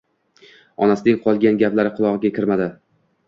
Onasining qolgan gaplari qulog`iga kirmadi